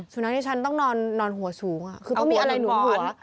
สุนัขที่ฉันต้องนอนหัวสูงคือต้องมีอะไรหนุนหัว